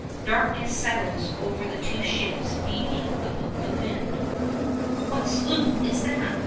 Darkness settles over the two ships beating about the wind. "What sloop is that?"